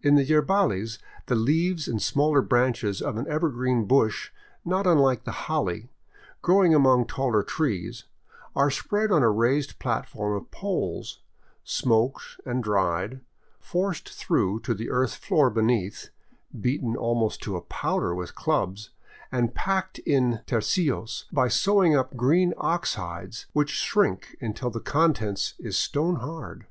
In the yerbales the leaves and smaller branches of an evergreen bush not unlike the holly, growing among taller trees, are spread on a raised platform of poles, smoked and dried, forced through to the earth floor beneath, beaten almost to a powder with clubs, and packed in tercios by sewing up green ox hides, which shrink until the contents is stone hard.